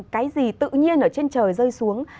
cái gì tự nhiên ở trên trời rơi xuống